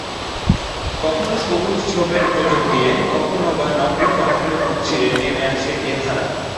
কখনো সবুজ ঝোপের ভেতর দিয়ে, কখনোবা নগ্ন পাথরের বুক চিরে নেমে আসে এ ধারা।